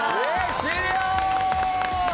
終了！